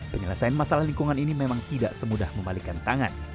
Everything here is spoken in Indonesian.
penyelesaian masalah lingkungan ini memang tidak semudah membalikan tangan